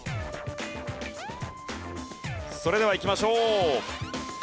それではいきましょう。